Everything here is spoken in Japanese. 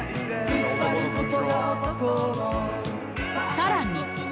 さらに。